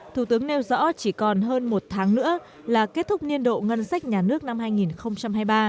thủ tướng nêu rõ chỉ còn hơn một tháng nữa là kết thúc niên độ ngân sách nhà nước năm hai nghìn hai mươi ba